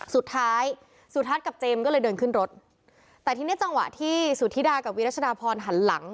สุดท้ายสุทัศน์กับเจมส์ก็เลยเดินขึ้นรถแต่ทีนี้จังหวะที่สุธิดากับวิรัชดาพรหันหลัง